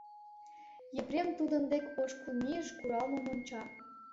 Епрем тудын дек ошкыл мийыш, куралмым онча.